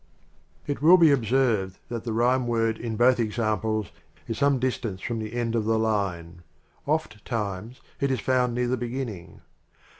It will be observed that the rhyme word in both examples is some distance from the end of the line ; ofttimes it is found near the beginning.